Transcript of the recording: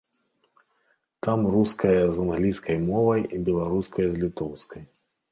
Там руская з англійскай мовай і беларуская з літоўскай.